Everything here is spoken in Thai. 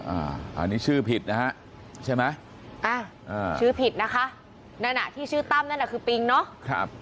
อันนี้ชื่อผิดนะฮะใช่ไหมอ่าชื่อผิดนะคะนั่นอ่ะที่ชื่อตั้มนั่นน่ะคือปิงเนาะ